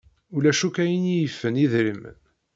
Ulac akk ayen i yifen idrimen.